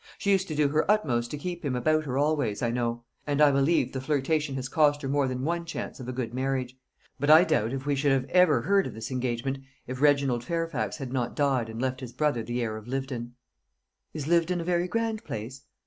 She used to do her utmost to keep him about her always, I know; and I believe the flirtation has cost her more than one chance of a good marriage. But I doubt if we should have ever heard of this engagement if Reginald Fairfax had not died, and left his brother the heir of Lyvedon." "Is Lyvedon a very grand place?"